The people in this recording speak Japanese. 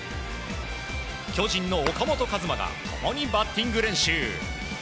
巨人の岡本和真が共にバッティング練習。